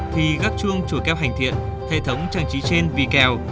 thì gác chuông chùa keo hành thiện hệ thống trang trí trên vì kèo